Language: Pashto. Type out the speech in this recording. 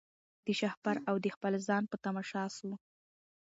د شهپر او د خپل ځان په تماشا سو